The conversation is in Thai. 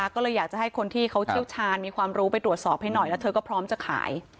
ก็เลยอยากจะให้คนที่เขาเชี่ยวชาญมีความรู้ไปตรวจสอบให้หน่อยแล้วเธอก็พร้อมจะขาย